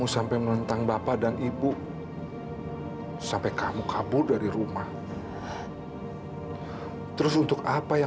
sampai jumpa di video selanjutnya